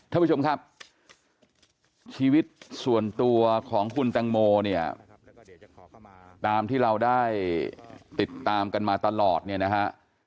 ท่านผู้ชมครับชีวิตส่วนตัวของคุณตังโมเนี่ยตามที่เราได้ติดตามกันมาตลอดเนี่ยนะฮะ